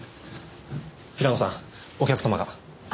平野さんお客様が。